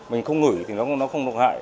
mình không ngửi thì nó cũng không độc hại